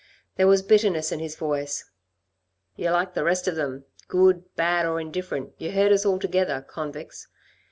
There was bitterness in his voice. "You're like the rest of them. Good, bad or indifferent, you herd us all together convicts.